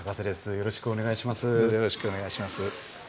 よろしくお願いします。